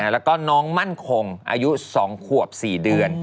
แล้วก็น้องมั่นคงอายุ๒ขวบ๔เดือน